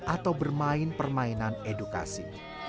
atau bermain permainan edukasi